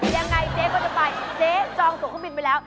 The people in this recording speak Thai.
ยังไงเจ๊ก็จะไปเจ๊จองตัวเครื่องบินไปแล้ว